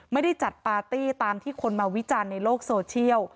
ไม่ได้จัดปาร์ตี้ตามที่คนมาวิจารณ์ในโลกโซเชียล